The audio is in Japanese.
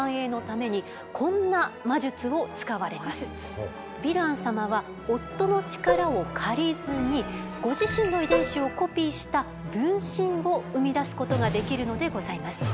実はヴィラン様はヴィラン様は夫の力を借りずにご自身の遺伝子をコピーした分身を産み出すことができるのでございます。